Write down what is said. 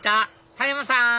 田山さん！